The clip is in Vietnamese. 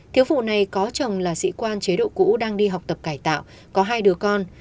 thiếu phụ này có chồng là sĩ quan chế độ cũ đang đi học tập cải tạo có hai đứa con